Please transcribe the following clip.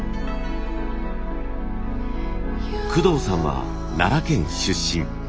工藤さんは奈良県出身。